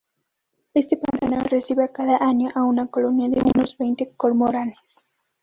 Este pantano recibe cada año a una colonia de unos veinte cormoranes.